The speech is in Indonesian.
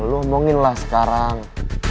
lo omongin lah sekarang